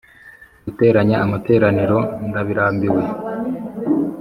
guteranya amateraniro ndabirambiwe,